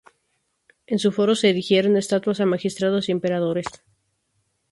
En su foro se erigieron estatuas a magistrados y emperadores.